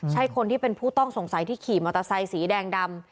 ใช่คนที่เป็นผู้ต้องสงสัยที่ขี่มอเตอร์ไซค์สีแดงดำ